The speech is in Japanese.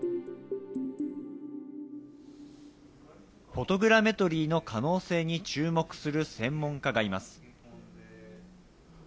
フォトグラメトリーの可能性に注目する専門家がいます。